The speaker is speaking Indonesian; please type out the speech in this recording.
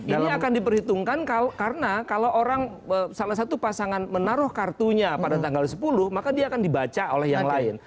ini akan diperhitungkan karena kalau orang salah satu pasangan menaruh kartunya pada tanggal sepuluh maka dia akan dibaca oleh yang lain